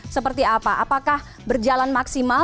seperti apa apakah berjalan maksimal